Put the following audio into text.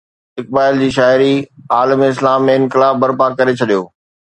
اقبال جي شاعري عالم اسلام ۾ انقلاب برپا ڪري ڇڏيو.